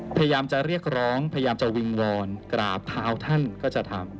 พยายามจะเรียกร้องพยายามจะวิงวอนกราบเท้าท่านก็จะทำ